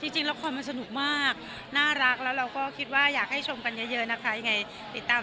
จริงละครมันสนุกมากน่ารักแล้วเราก็คิดว่าอยากให้ชมกันเยอะนะคะยังไงติดตาม